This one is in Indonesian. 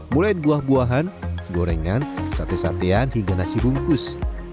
mulai buah buahan gorengan sate satean hingga nasi bungkus